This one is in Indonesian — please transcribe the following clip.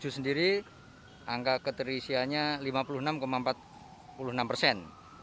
tujuh sendiri angka keterisiannya lima puluh enam empat puluh enam persen